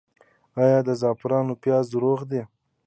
آیا د زعفرانو پیاز روغ دي؟